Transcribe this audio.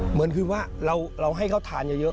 เหมือนคือว่าเราให้เขาทานเยอะ